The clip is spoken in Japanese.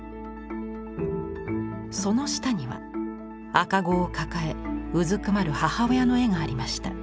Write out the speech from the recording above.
その下には赤子を抱えうずくまる母親の絵がありました。